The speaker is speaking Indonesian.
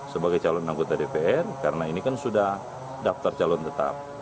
sebagai calon anggota dpr karena ini kan sudah daftar calon tetap